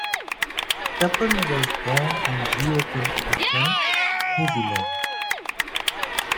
Chappell was born and grew up in Auckland, New Zealand.